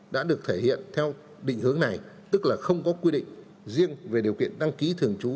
đã được thể hiện theo định hướng này tức là không có quy định riêng về điều kiện đăng ký thường trú